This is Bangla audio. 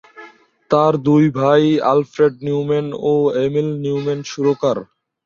তার দুই ভাই অ্যালফ্রেড নিউম্যান ও এমিল নিউম্যান সুরকার।